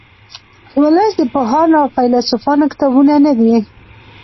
ولس د پوهانو او فیلسوفانو کتابونه نه دي لوستي